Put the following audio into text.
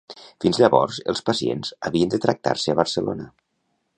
Fins llavors, els pacients havien de tractar-se a Barcelona.